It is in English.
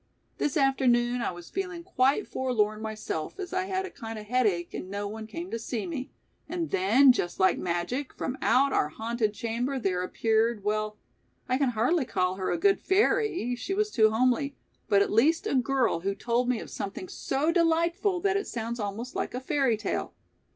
This afternoon I was feeling quite forlorn myself, as I had a kind of headache and no one came to see me, and then just like magic from out our haunted chamber there appeared well, I can hardly call her a good fairy, she was too homely, but at least a girl who told me of something so delightful that it sounds almost like a fairy tale.